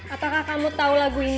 apakah kamu tahu lagu ini